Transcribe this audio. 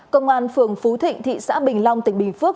công an phường phú thịnh thị xã bình long tỉnh bình phước